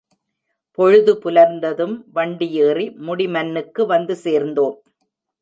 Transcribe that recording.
பொழுது புலர்ந்ததும் வண்டியேறி முடிமன்னுக்கு வந்து சேர்ந்தோம்.